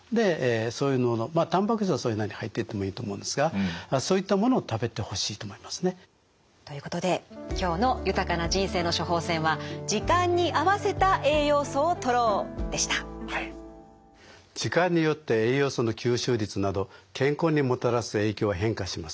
でまあたんぱく質はそれなりに入っててもいいと思うんですがそういったものを食べてほしいと思いますね。ということで今日の豊かな人生の処方せんは時間によって栄養素の吸収率など健康にもたらす影響は変化します。